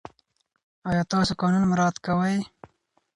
آیا تاسې قانون مراعات کوئ؟